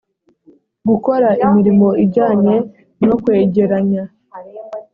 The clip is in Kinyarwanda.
gukora imirimo ijyanye no kwegeranya